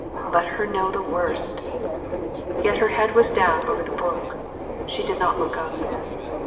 Let her know the worst. Yet her head was down over the book; she did not look up.